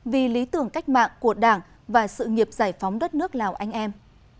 vì lý tưởng cách mạng của đảng và sự nghiệp giải phóng đất nước lào anh em